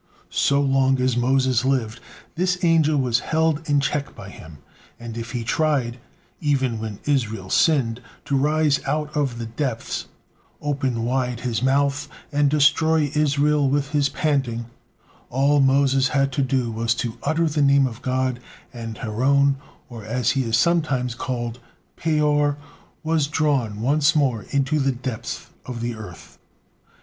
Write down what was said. So long as Moses lived this angel was held in check by him, and if he tried, even when Israel sinned, to rise out of the depths, open wide his mouth, and destroy Israel with his panting, all Moses had to do was to utter the name of God, and Haron, or as he is sometimes called, Peor, was drawn once more into the depths of the earth.